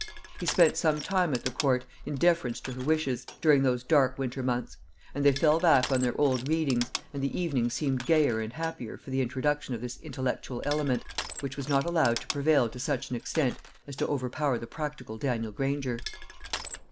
He spent some time at the Court, in deference to her wishes, during those dark winter months; and they fell hack on their old readings, and the evenings seemed gayer and happier for the introduction of this intellectual element, which was not allowed to prevail to such an extent as to overpower the practical Daniel Granger.